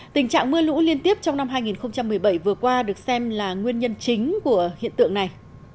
tình trạng mưa lũ liên tiếp trong năm hai nghìn một mươi bảy vừa qua được xem là nguyên nhân chính của hiện tượng này